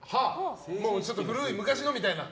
ちょっと古い昔のみたいな？